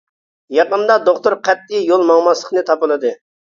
يېقىندا دوختۇر قەتئىي يول ماڭماسلىقىنى تاپىلىدى.